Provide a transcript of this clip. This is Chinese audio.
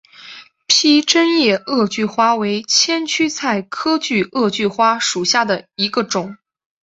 披针叶萼距花为千屈菜科萼距花属下的一个种。